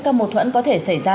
các mâu thuẫn có thể xảy ra